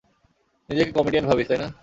নিজেকে কমেডিয়ান ভাবিস, তাই না?